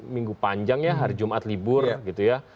minggu panjang ya hari jumat libur gitu ya